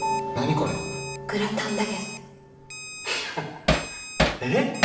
これグラタンだけどいやえっ？